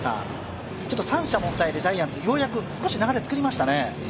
ちょっと三者凡退で、ジャイアンツ少し流れを作りましたね？